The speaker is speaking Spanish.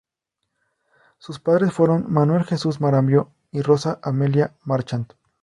Sus padres fueron Manuel Jesús Marambio y Rosa Amelia Marchant.